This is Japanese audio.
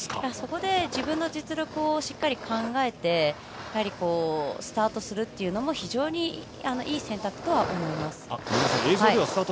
そこで、自分の実力をしっかり考えてスタートするというのも非常にいい選択だと思います。